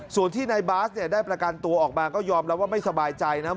ส่วนที่นายบาสเนี่ยได้ประกันตัวออกมาก็ยอมรับว่าไม่สบายใจนะ